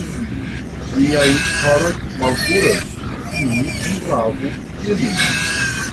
Miaj haroj malpuras. Mi lavu ilin.